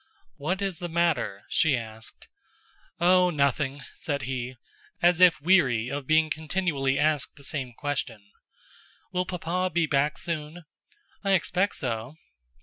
"What is the matter?" she asked. "Oh, nothing," said he, as if weary of being continually asked the same question. "Will Papa be back soon?" "I expect so."